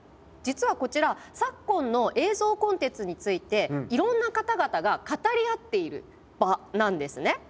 実はこちら昨今の映像コンテンツについていろんな方々が語り合っている場なんですね。